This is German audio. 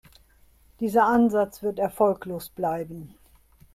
Dieser Ansatz wird erfolglos bleiben.